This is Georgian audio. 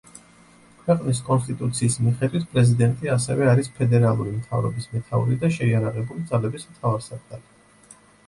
ქვეყნის კონსტიტუციის მიხედვით პრეზიდენტი ასევე არის ფედერალური მთავრობის მეთაური და შეიარაღებული ძალების მთავარსარდალი.